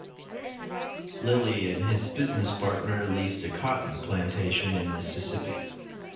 Lilly and his business partner leased a cotton plantation in Mississippi.